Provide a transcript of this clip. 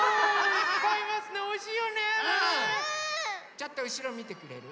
ちょっとうしろみてくれる？